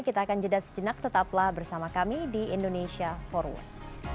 kita akan jeda sejenak tetaplah bersama kami di indonesia forward